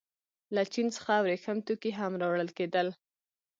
له چین څخه ورېښم توکي هم راوړل کېدل.